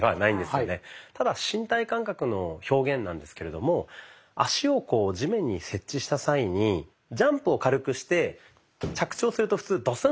ただ身体感覚の表現なんですけれども足を地面に接地した際にジャンプを軽くして着地をすると普通ドスンと音しますよね。